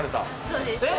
そうですね。